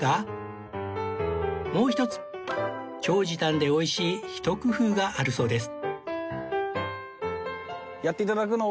もう一つ超時短で美味しいひと工夫があるそうです